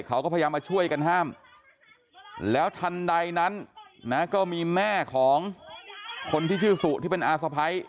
เขาก็พยายามมาช่วยกันห้ามแล้วทันใดนั้นนะก็มีแม่ของคนที่ชื่อสุที่เป็นอาสะพ้าย